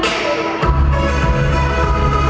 ไม่ต้องถามไม่ต้องถาม